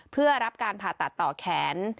เพื่อรับการผ่าตัดต่อแขน